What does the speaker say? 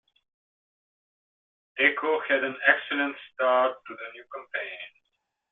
Deco had an excellent start to the new campaign.